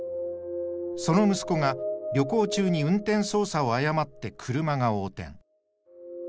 その息子が旅行中に運転操作を誤って車が横転。